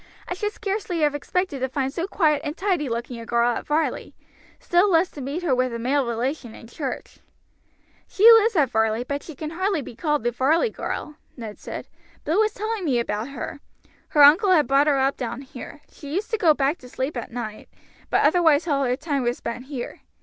I should scarcely have expected to find so quiet and tidy looking a girl at Varley, still less to meet her with a male relation in church." "She lives at Varley, but she can hardly be called a Varley girl," Ned said. "Bill was telling me about her. Her uncle had her brought up down here. She used to go back to sleep at night, but otherwise all her time was spent here.